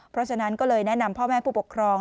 เพราะฉะนั้นก็เลยแนะนำพ่อแม่ผู้ปกครอง